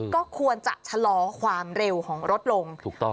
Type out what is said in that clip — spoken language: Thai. ก็ควรจะชะลอความเร็วของรถลง